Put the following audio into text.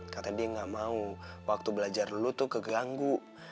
katanya dia gak mau waktu belajar lu tuh keganggu